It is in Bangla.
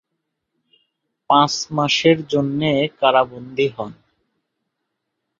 পাঁচ মাসের জন্যে কারাবন্দী হন।